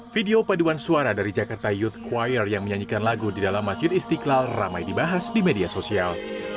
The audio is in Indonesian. video paduan suara dari jakarta youth choir yang menyanyikan lagu di dalam masjid istiqlal ramai dibahas di media sosial